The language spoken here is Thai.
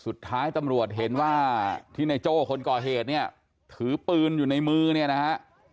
สุดท้ายตำรวจเห็นว่าที่ในโจ้คนก่อเหตุเนี่ยถือปืนอยู่ในมือเนี่ยนะฮะ